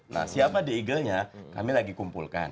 nah siapa the eaglenya kami lagi kumpulkan